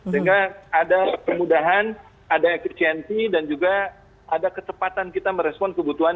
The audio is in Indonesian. sehingga ada kemudahan ada efisiensi dan juga ada kecepatan kita merespon kebutuhan